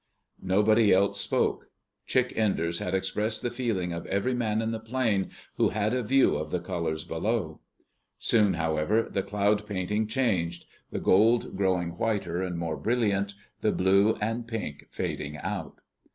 Nobody else spoke. Chick Enders had expressed the feeling of every man in the plane who had a view of the colors below. Soon, however, the cloud painting changed, the gold growing whiter and more brilliant, the blue and pink fading out.